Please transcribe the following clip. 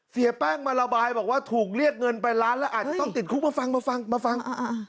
เสียแป้งมาระบายบอกว่าถูกเรียกเงินไปล้านแล้วอาจจะต้องติดคุกมาฟังมาฟังมาฟังอ่า